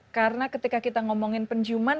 karena ketika kita ngomongin penciuman